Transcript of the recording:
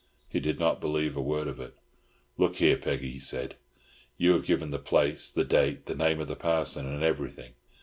He did not believe a word of it. "Look here, Peggy," he said, "You have given the place, the date, the name of the parson, and everything.